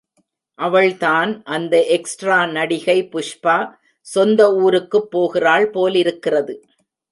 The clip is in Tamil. அவள் தான், அந்த எக்ஸ்ட்ரா நடிகை புஷ்பா சொந்த ஊருக்குப் போகிறாள் போலிருக்கிறது.